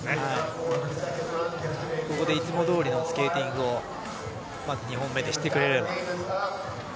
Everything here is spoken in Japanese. ここでいつもどおりのスケーティングを２本目でしてくれれば。